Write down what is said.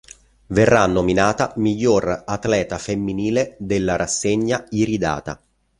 Verrà nominata miglior atleta femminile della rassegna iridata.